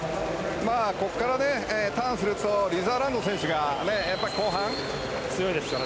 ここからターンするとリザーランド選手が後半、強いですから。